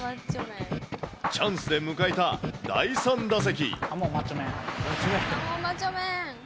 チャンスで迎えた第３打席。